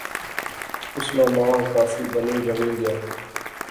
اس ناں ناں کافی بنی جمی گیا